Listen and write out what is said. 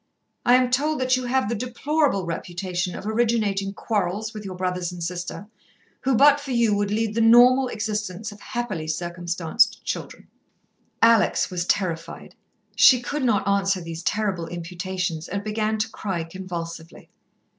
I am told that you have the deplorable reputation of originating quarrels with your brothers and sister, who, but for you, would lead the normal existence of happily circumstanced children." Alex was terrified. She could not answer these terrible imputations, and began to cry convulsively.